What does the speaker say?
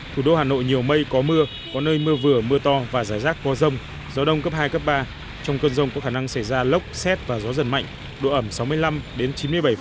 thủ đô hà nội nhiều mây có mưa có nơi mưa vừa mưa to và rải rác có rông gió đông cấp hai cấp ba trong cơn rông có khả năng xảy ra lốc xét và gió giật mạnh độ ẩm sáu mươi năm đến chín mươi bảy